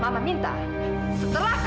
mama minta setelah kamu tes dna